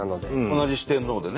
同じ四天王でね。